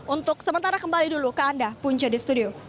untuk sementara kembali dulu ke anda punca di studio